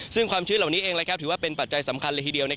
ซึ่งความชื้นเหล่านี้เองถือว่าเป็นปัจจัยสำคัญเลยทีเดียว